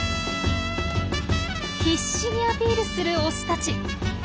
必死にアピールするオスたち。